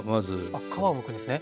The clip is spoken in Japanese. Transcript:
あっ皮をむくんですね。